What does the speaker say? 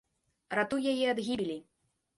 Ратуй яе ад гібелі.